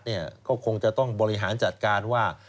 ก็คงจะต้องบริหารจัดการว่า